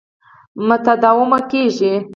متداومه کېږي.